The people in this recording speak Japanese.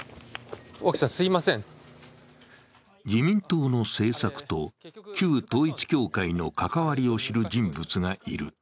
自民党の政策と旧統一教会の関わりを知る人物がいる。